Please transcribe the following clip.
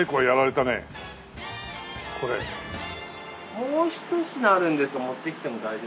もうひと品あるんですが持ってきても大丈夫ですか？